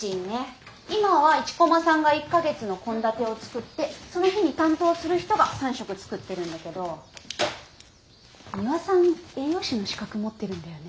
今は一駒さんが１か月の献立を作ってその日に担当する人が３食作ってるんだけどミワさん栄養士の資格持ってるんだよね？